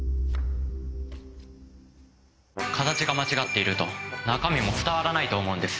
形が間違っていると中身も伝わらないと思うんです。